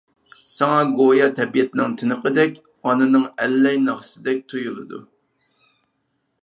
ساڭا گويا تەبىئەتنىڭ تىنىقىدەك، ئانىنىڭ ئەللەي ناخشىسىدەك تۇيۇلىدۇ.